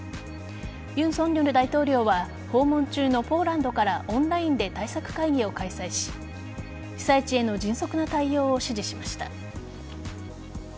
尹錫悦大統領は訪問中のポーランドからオンラインで対策会議を開催し被災地への迅速な対応を指示しました。